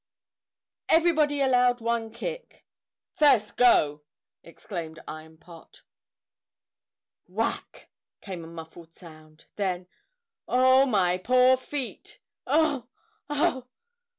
"Everybody allowed one kick!" "First go!" exclaimed Iron Pot. Whack! came a muffled sound. Then, "Oh, my poor feet! Oh! Oh!"